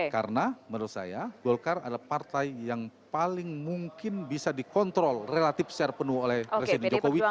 karena menurut saya golkar adalah partai yang paling mungkin bisa dikontrol relatif secara penuh oleh presiden jokowi